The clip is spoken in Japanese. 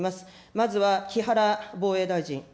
まずは木原防衛大臣。